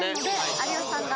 有吉さんが。